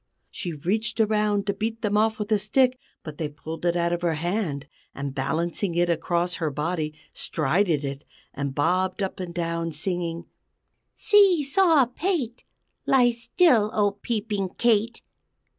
She reached around to beat them off with a stick, but they pulled it out of her hand; and, balancing it across her body, strided it, and bobbed up and down, singing: "_See saw pate! Lie still old Peeping Kate!